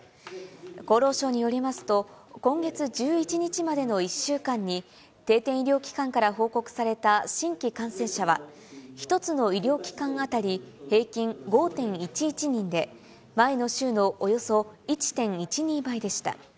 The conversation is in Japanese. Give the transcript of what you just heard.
厚労省によりますと、今月１１日までの１週間に、定点医療機関から報告された新規感染者は、１つの医療機関当たり平均５．１１人で、前の週のおよそ１．１２倍でした。